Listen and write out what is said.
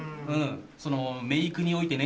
そのメイクにおいてね